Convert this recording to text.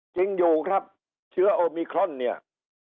จริงอยู่ครับเชื้อโอมิครอนเนี่ย